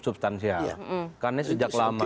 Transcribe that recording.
substansial karena sejak lama